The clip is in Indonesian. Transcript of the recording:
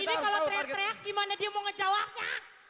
ini kalau teriak teriak gimana dia mau ngejawabnya